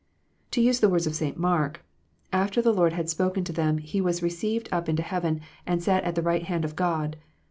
To use the words of St. Mark, " After the Lord had spoken to them, He was received up into heaven, and sat on the right hand of God."